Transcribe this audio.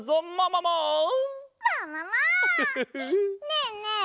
ねえねえ。